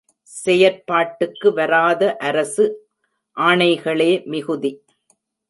செயற்பாட்டுக்கு வராத, அரசு ஆணைகளே மிகுதி.